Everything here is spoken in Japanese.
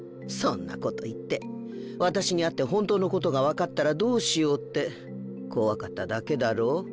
そんなこと言って私に会って本当のことが分かったらどうしようって怖かっただけだろう。